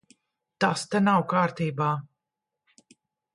Tas te nav kārtībā.